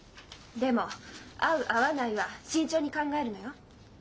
でも「会う会わない」は慎重に考えるのよ。